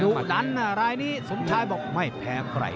ดันรายนี้สมชายบอกไม่แพ้ใคร